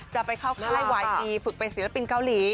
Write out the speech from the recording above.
จะไปเข้าค่ายวายจีฝึกเป็นศิลปินเกาหลี